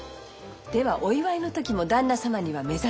ではお祝いの時も旦那様には目刺しを。